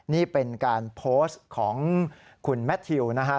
นี่เป็นการโพสต์ของคุณแมททิวนะฮะ